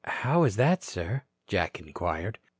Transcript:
"How is that, sir?" Jack inquired.